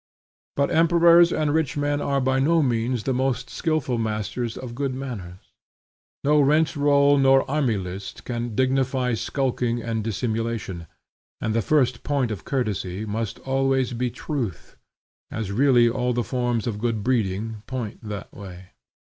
But emperors and rich men are by no means the most skilful masters of good manners. No rentroll nor army list can dignify skulking and dissimulation; and the first point of courtesy must always be truth, as really all the forms of good breeding point that way.